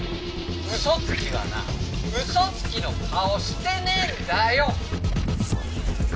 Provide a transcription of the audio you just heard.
ウソつきはなウソつきの顔してねえんだよ。